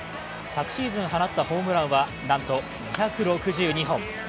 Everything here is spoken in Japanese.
昨シーズン放ったホームランは、なんと２６２本。